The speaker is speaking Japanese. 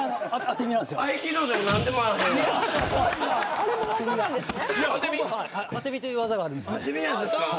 あれも技なんですね。